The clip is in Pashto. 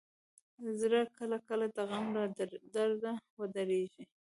زړه کله کله د غم له درده ودریږي.